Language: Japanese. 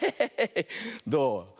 どう？